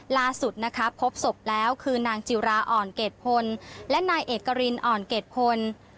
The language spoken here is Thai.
ล่าสุดนะครับพบศพแล้วคือนางจิราอ่อนเกรดพลและนายเอกรินอ่อนเกรดพล